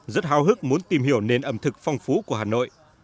rất hào hức muốn tìm hiểu nền ẩm thực phong phú của hà nội